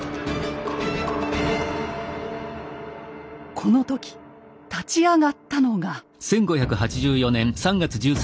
この時立ち上がったのが。